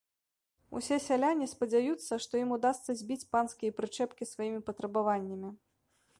Усе сяляне спадзяюцца, што ім удасца збіць панскія прычэпкі сваімі патрабаваннямі.